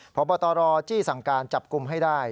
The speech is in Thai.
พบตรจี้สั่งการจับกลุ่มให้ได้